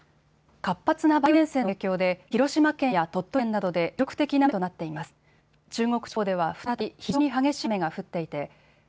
活発な梅雨前線の影響で、広島県や鳥取県などで記録的な大雨となっています。